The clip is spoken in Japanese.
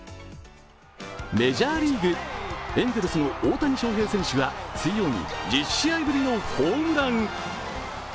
メジャーリーグ、エンゼルスの大谷翔平選手が水曜に１０試合ぶりのホームラン。